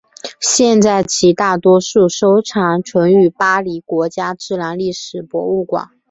现在起大多数收藏存于巴黎的国家自然历史博物馆。